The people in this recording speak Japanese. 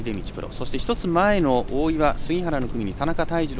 そして１つ前の大岩、杉原の組に田中泰二郎